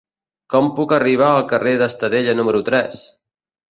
Com puc arribar al carrer d'Estadella número tres?